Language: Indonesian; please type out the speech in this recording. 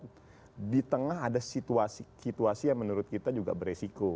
karena di tengah ada situasi situasi yang menurut kita juga beresiko